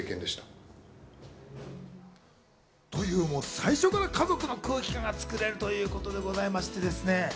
最初から家族の空気感がつくれるということでございまして。